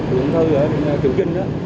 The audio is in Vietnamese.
viện thư ở triều vinh